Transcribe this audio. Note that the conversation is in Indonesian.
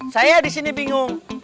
saya disini bingung